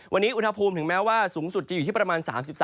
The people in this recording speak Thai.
วันนี้อุณหภูมิถึงแม้ว่าสูงสุดจะอยู่ที่ประมาณ๓๓